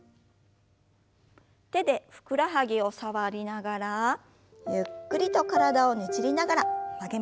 手でふくらはぎを触りながらゆっくりと体をねじりながら曲げましょう。